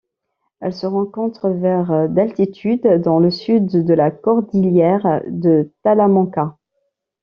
Elle se rencontre vers d'altitude dans le sud de la cordillère de Talamanca.